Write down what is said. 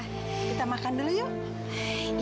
kita makan dulu yuk